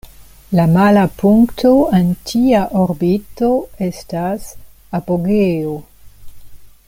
La mala punkto en tia orbito estas "apogeo".